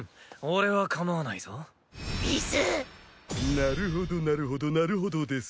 なるほどなるほどなるほどです。